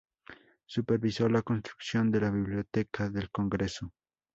Supervisó la construcción de la Biblioteca del Congreso.